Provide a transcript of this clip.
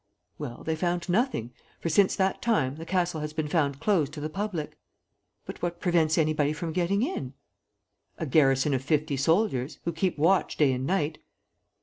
"Well, they found nothing, for, since that time, the castle has been found closed to the public." "But what prevents anybody from getting in?" "A garrison of fifty soldiers, who keep watch day and night."